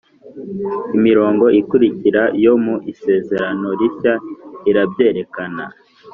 Imirongo ikurikira yo mu Isezerano Rishya irabyerekena: